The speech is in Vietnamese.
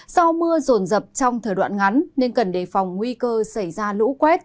do mưa rồn rập trong thời đoạn ngắn nên cần đề phòng nguy cơ xảy ra lũ quét